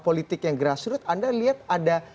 politik yang grassroot anda lihat ada